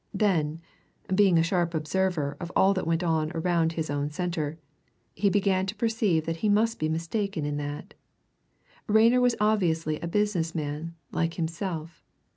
Then, being a sharp observer of all that went on around his own centre, he began to perceive that he must be mistaken in that Rayner was obviously a business man, like himself.